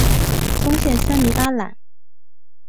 宗宪三名阿懒。